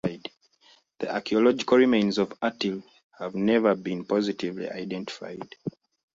The archaeological remains of Atil have never been positively identified.